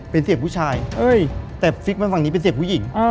เป็นเสียงผู้ชายแต่ฟิกมันฝั่งนี้เป็นเสียงผู้หญิง